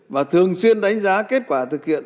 và thường xuyên đánh giá kết quả thực hiện